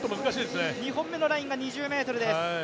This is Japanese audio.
２本目のラインが２０ｍです。